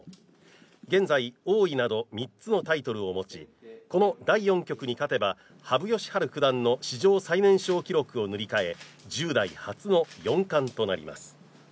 現在、王位など３つのタイトルを持ちこの第４局に勝てば羽生善治九段の史上最年少記録を塗り替え１０代初の四冠となります。